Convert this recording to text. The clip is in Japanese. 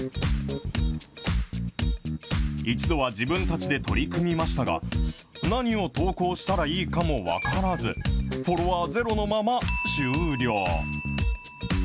一度は自分たちで取り組みましたが、何を投稿したらいいかも分からず、フォロワーゼロのまま終了。